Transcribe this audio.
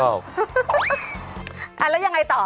แล้วยังไงต่อ